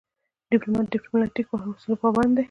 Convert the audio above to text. ډيپلومات د ډیپلوماتیکو اصولو پابند وي.